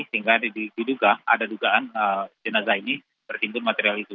sehingga diduga ada dugaan jenazah ini tertimbun material itu